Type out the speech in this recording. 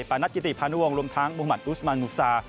ปรณัชกิติภาณวงศ์รวมทั้งมุมมันอุสมานกุศา